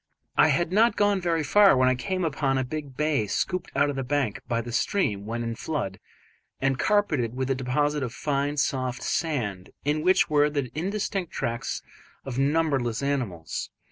I had not gone very far when I came upon a big bay scooped out of the bank by the stream when in flood and carpeted with a deposit of fine, soft sand, in which were the indistinct tracks of numberless animals.